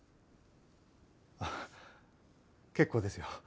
あっ結構ですよ。